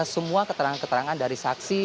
semua keterangan keterangan dari saksi